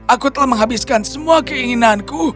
aku telah menghabiskan semua keinginanku